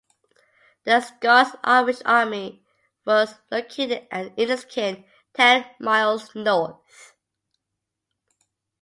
The Scots-Irish army was located at Inniskeen, ten miles north.